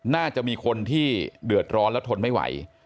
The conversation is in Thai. น่าจะมีคนที่เดือดร้อนและทนไม่ไหว